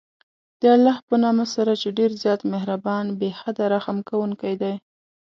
د الله په نامه سره چې ډېر زیات مهربان، بې حده رحم كوونكى دى.